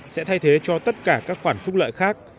sẽ thay thế cho tất cả các khoản phúc lợi khác